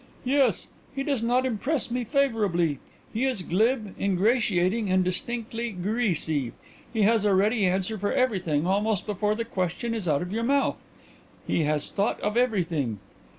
"Yes. He does not impress me favourably. He is glib, ingratiating, and distinctly 'greasy.' He has a ready answer for everything almost before the question is out of your mouth. He has thought of everything."